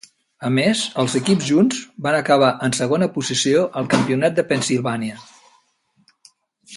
A més, els equips junts van acabar en segona posició al Campionat de Pennsylvania.